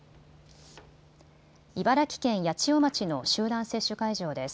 茨城県八千代町の集団接種会場です。